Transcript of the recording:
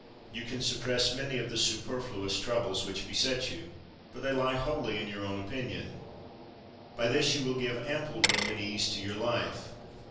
32. You can suppress many of the superfluous troubles which beset you, for they lie wholly in your own opinion. By this you will give ample room and ease to your life.